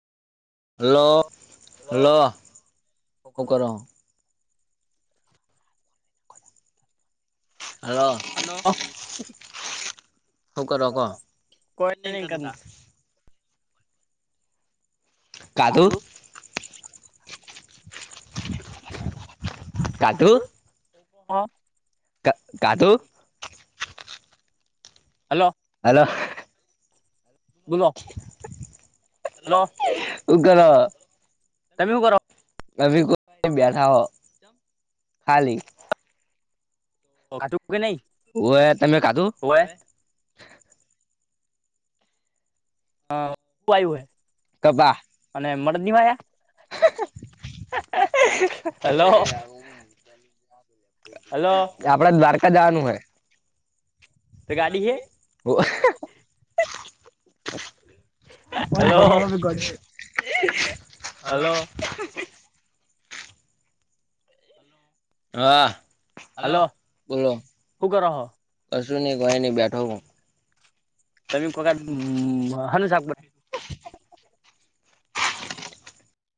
hello hello હુ કરોહો hello hello હું કરો કો કોઈ નહી કરતા ખાધું ખાધું હ ક ખાધું હલો હલો બોલો હલો તમે હું કરો અભી કોન બેઠા હો ખાલી ખાધું કે નઈ હોવે તમે ખાધું હા વાયુ [unintelligible] કબા અને મરડી વાય [inaudible] [unintelligible] હા અ [inaudible] હલો આપડ દ્વારકા જવાનું હ તે ગાડી હે હોવ અ [inaudible] હાલો હ હલો બોલો હુ કરો હો કશું નહી કોઈ નઈ બેઠો હુ [unintelligible]